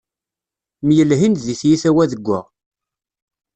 Myelhin-d di tyita wa deg wa.